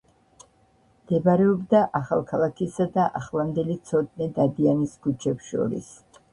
მდებარეობდა ახალქალაქისა და ახლანდელი ცოტნე დადიანის ქუჩებს შორის.